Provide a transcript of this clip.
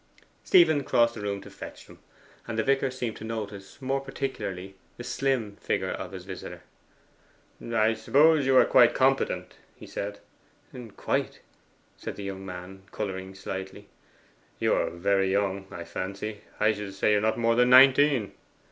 Stephen crossed the room to fetch them, and the vicar seemed to notice more particularly the slim figure of his visitor. 'I suppose you are quite competent?' he said. 'Quite,' said the young man, colouring slightly. 'You are very young, I fancy I should say you are not more than nineteen?